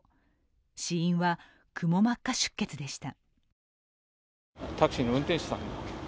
死因はくも膜下出血でした。